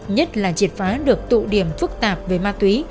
nhất là triệt phá được tụ điểm phức tạp về ma túy